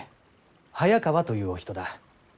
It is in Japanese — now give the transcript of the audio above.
早川というお人だ。